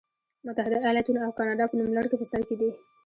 متحده ایالتونه او کاناډا په نوملړ کې په سر کې دي.